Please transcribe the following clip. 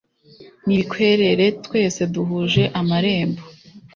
n'ibikwerere twese duhuje amarembo